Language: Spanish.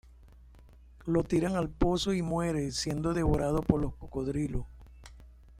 Lo tiran al pozo y muere siendo devorado por los cocodrilos.